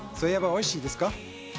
おいしいです